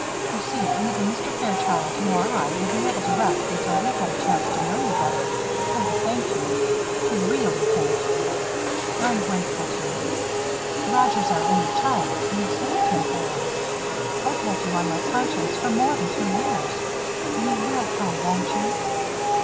You see, neither Mr. Fairchild nor I will be able to rest until we've had a chance to know you better and to thank you to really thank you. I'm very grateful to you. Roger's our only child; you saved him for us. I've had you on my conscience for more than two years. You will come, won't you?"